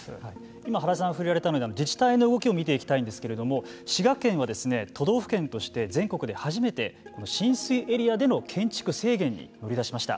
今、秦さんが触れられた自治体の動きを見ていきたいんですけれども滋賀県は都道府県として全国で初めて浸水エリアでの建築制限に乗り出しました。